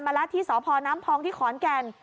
ละที่สพน้ำพองที่ขอนแก่น